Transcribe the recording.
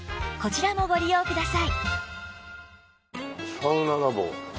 サウナラボ。